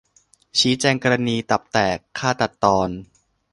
ชี้แจงกรณีตับแตก-ฆ่าตัดตอน